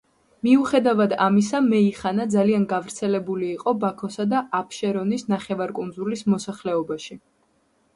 მიუხედავად ამისა, მეიხანა ძალიან გავრცელებული იყო ბაქოსა და აფშერონის ნახევარკუნძულის მოსახლეობაში.